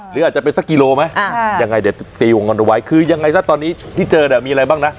หรืออาจจะเป็นสักกิโลไหมยังไงเดี๋ยวตีวงกันเอาไว้คือยังไงซะตอนนี้ที่เจอเนี่ยมีอะไรบ้างนะ